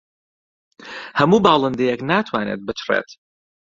هەموو باڵندەیەک ناتوانێت بچڕێت.